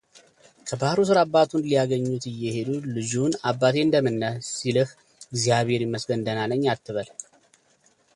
ከባህሩ ሥር አባቷን ሊያገኙት እየሄዱ ልጁን አባቴ ‘እንደምነህ?’ ሲልህ ‘እግዚአብሔር ይመስገን ደህና ነኝ‘ አትበል፡፡